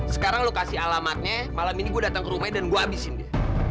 sekarang lokasi alamatnya malam ini gue datang ke rumahnya dan gue habisin dia